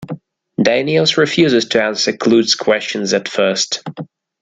Daniels refuses to answer Klute's questions at first.